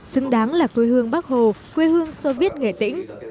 xứng đáng là quê hương bắc hồ quê hương soviet nghệ tĩnh